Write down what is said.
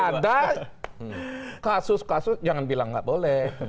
ada kasus kasus jangan bilang nggak boleh